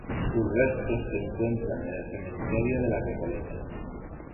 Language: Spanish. Sus restos se encuentran en el Cementerio de la Recoleta.